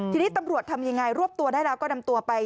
ทีนี้ตำรวจทำยังไงรวบตัวได้แล้วก็นำตัวไป